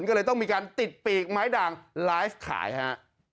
ก็เลยต้องมีการติดปีกไม้ด่างไลฟ์ขายฮะ